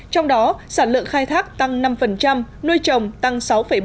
trong đó sản lượng khai thác tăng năm nuôi trồng tăng sáu bốn